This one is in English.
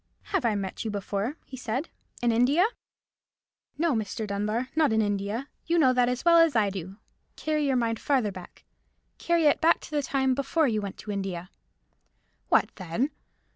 "Have I met you before?" he said. "In India?" "No, Mr. Dunbar, not in India. You know that as well as I do. Carry your mind farther back. Carry it back to the time before you went to India." "What then?"